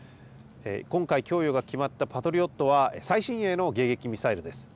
今回、供与が決まったパトリオットは最新鋭の迎撃ミサイルです。